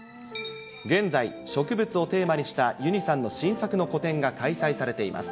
現在、植物をテーマにしたユニさんの新作の個展が開催されています。